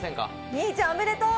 みぃちゃん、おめでとう！